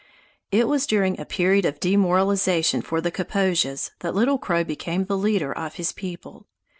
It was during a period of demoralization for the Kaposias that Little Crow became the leader of his people.